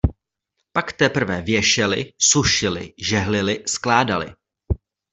Pak teprve věšely, sušily, žehlily, skládaly.